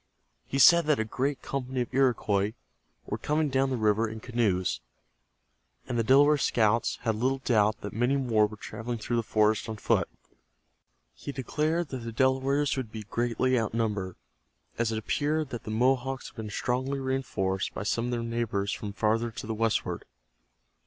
He said that a great company of Iroquois were coming down the river in canoes, and the Delaware scouts had little doubt that many more were traveling through the forest on foot. He declared that the Delawares would be greatly outnumbered, as it appeared that the Mohawks had been strongly reinforced by some of their neighbors from farther to the westward.